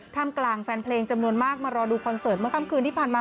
ทำกลางแฟนเพลงจำนวนมากมารอดูคอนเสิร์ตเมื่อค่ำคืนที่ผ่านมา